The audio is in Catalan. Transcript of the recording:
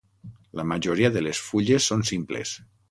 La majoria de les fulles són simples.